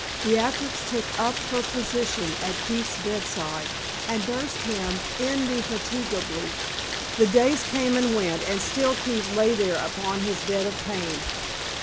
Beatrix took up her position at Keith's bedside and nursed him indefatigably. The days came and went, and still Keith lay there upon his bed of pain.